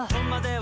は